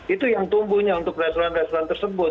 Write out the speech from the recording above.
itu yang tumbuhnya untuk restoran restoran tersebut